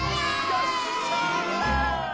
よっしゃ！